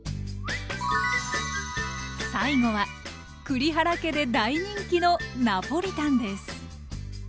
最後は栗原家で大人気のナポリタンです！